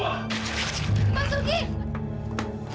ya allah kenapa begini pak